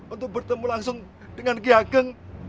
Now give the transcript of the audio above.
untuk bertemu langsung dengan ki ageng